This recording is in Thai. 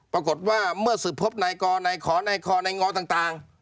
ปรากฏว่าเมื่อสืบพบในกรในขในคในงต่าง